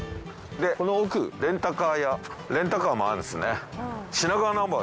でこの奥レンタカー屋レンタカーもあるんですね。